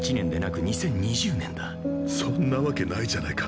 そんなわけないじゃないか。